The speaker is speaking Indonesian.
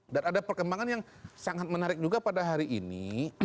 dan ada perkembangan yang sangat menarik juga pada hari ini